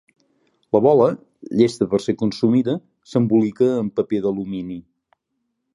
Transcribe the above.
La bola, llesta per a ser consumida, s'embolica en paper d'alumini.